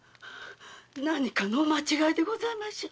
何かのお間違いでございましょう。